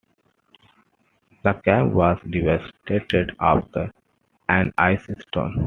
The camp was devastated after an ice storm.